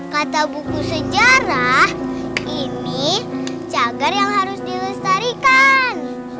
kata buku sejarah ini cagar yang harus dilestarikan